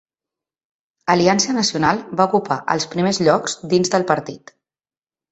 Aliança Nacional va ocupar els primers llocs dins del partit.